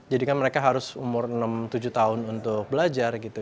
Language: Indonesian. kan mereka harus umur enam tujuh tahun untuk belajar gitu